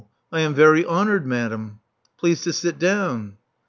I am very honored, madame. Please to sit down."